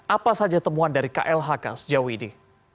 apa saja temuan dari klhk sejauh ini